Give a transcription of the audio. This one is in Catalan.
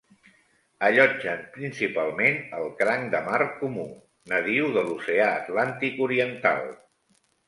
Allotgen principalment el "cranc de mar comú", nadiu de l'oceà Atlàntic Oriental.